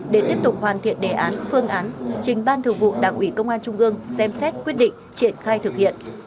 để tiếp tục hoàn thiện đề án phương án trình ban thường vụ đảng ủy công an trung ương xem xét quyết định triển khai thực hiện